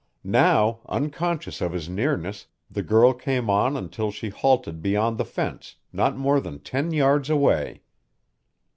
Now, unconscious of his nearness, the girl came on until she halted beyond the fence, not more than ten yards away.